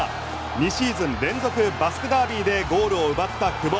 ２シーズン連続バスクダービーでゴールを奪った久保。